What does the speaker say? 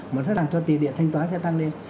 mà sẽ làm cho tiền điện thanh toán sẽ tăng lên